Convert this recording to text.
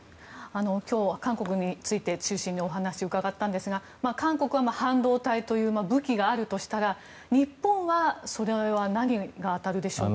今日、韓国中心にお話を伺ったんですが韓国は半導体という武器があるとしたら日本はそれは何が当たるでしょうか。